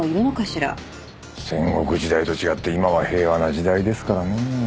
戦国時代と違って今は平和な時代ですからねえ。